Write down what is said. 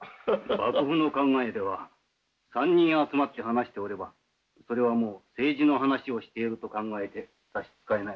幕府の考えでは３人集まって話しておればそれはもう政治の話をしていると考えて差し支えない。